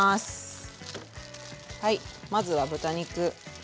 はいまずは豚肉。